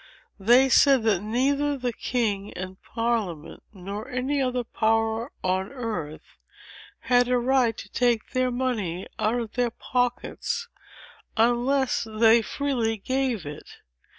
They said that neither the king and Parliament nor any other power on earth, had a right to take their money out of their pockets, unless they freely gave it.